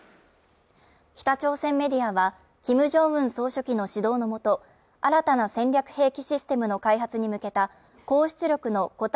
北朝鮮メディアはキム・ジョンウン総書記の指導のもと新たな戦略兵器システムの開発に向けた高出力の固体